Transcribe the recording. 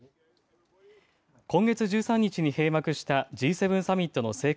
今月１３日に閉幕したＧ７サミットの成果